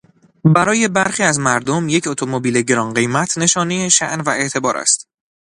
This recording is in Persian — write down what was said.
برای برخی از مردمیک اتومبیل گرانقیمت نشانهی شان و اعتبار است.